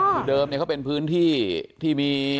ที่เดิมเนี่ยก็เป็นพื้นที่ที่มี